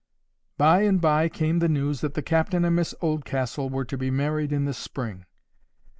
By and by came the news that the captain and Miss Oldcastle were to be married in the spring.